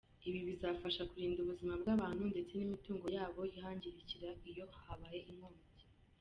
Ibi bizafasha kurinda ubuzima bw’abantu ndetse n’imitungo yabo ihangirikira iyo habaye inkongi.